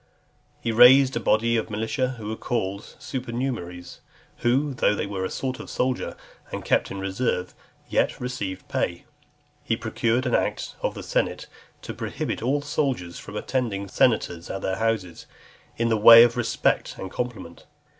He raised a body of militia, who were called Supernumeraries, who, though they were a sort of soldiers, and kept in reserve, yet received pay. He procured an act of the senate to prohibit all soldiers from attending senators at their houses, in the way of respect and compliment.